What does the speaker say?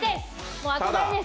もう憧れです。